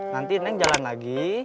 nanti neng jalan lagi